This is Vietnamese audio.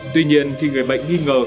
tuy nhiên khi người bệnh nghi ngờ